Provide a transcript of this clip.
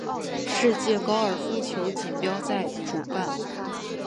世界高尔夫球锦标赛主办。